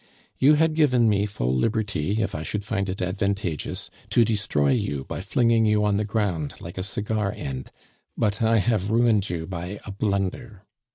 "You had given me full liberty, if I should find it advantageous, to destroy you by flinging you on the ground like a cigar end; but I have ruined you by a blunder.